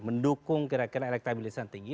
mendukung kira kira elektabilitas yang tinggi